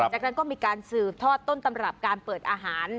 จากนั้นก็มีการสืบทอดต้นตำรับการเปิดอาหาร